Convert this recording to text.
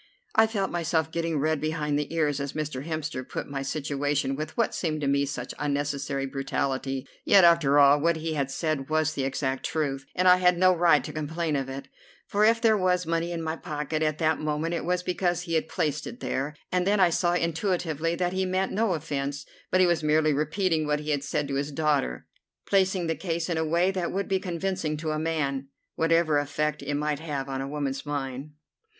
I felt myself getting red behind the ears as Mr. Hemster put my situation with, what seemed to me, such unnecessary brutality. Yet, after all, what he had said was the exact truth, and I had no right to complain of it, for if there was money in my pocket at that moment it was because he had placed it there; and then I saw intuitively that he meant no offence, but was merely repeating what he had said to his daughter, placing the case in a way that would be convincing to a man, whatever effect it might have on a woman's mind.